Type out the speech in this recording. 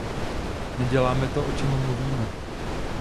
Neděláme to, o čem mluvíme.